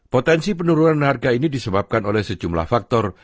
potensi penurunan harga ini disebabkan oleh sejumlah faktor